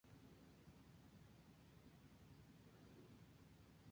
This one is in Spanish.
Los rebeldes protestaron contra sus líderes, que decidieron entregarse a Amílcar.